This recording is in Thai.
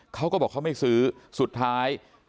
เขาก็บอกเขาไม่ซื้อสุดท้าย